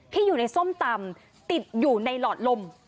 ที่อยู่ในส้มตำติดอยู่ในหลอดลม